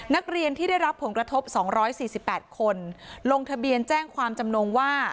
นักเรียนที่ได้รับผลกระทบ๒๔๘คนลงทะเบียนแจ้งความจำนงว่า